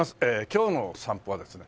今日の散歩はですね